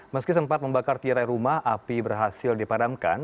meski sempat membakar tirai rumah api berhasil dipadamkan